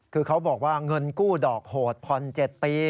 คือเขาบอกว่าเงินกู้ดอกโหดผ่อน๗ปี